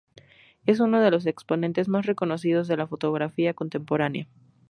Es uno de los exponentes más reconocidos de la fotografía contemporánea.